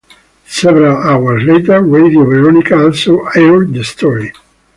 Several hours later, Radio Veronica also aired the story.